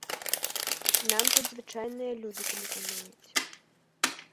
Нам тут звычайныя людзі тэлефануюць.